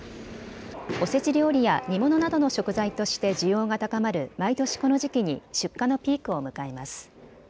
おせち料理や煮物などの食材として需要が高まる毎年この時期に出荷のピークを迎えます。